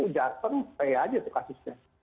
jakarta nge pay aja tuh kasusnya